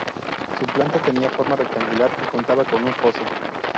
Su planta tenía forma rectangular y contaba con un foso.